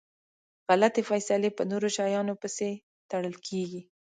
غلطي فیصلی په نورو شیانو پسي تړل کیږي.